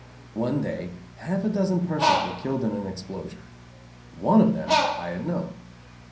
One day half a dozen persons were killed in an explosion. One of them I had known.